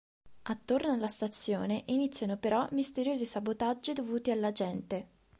Attorno alla stazione iniziano però misteriosi sabotaggi dovuti alla "Gente".